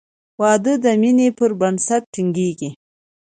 • واده د مینې پر بنسټ ټینګېږي.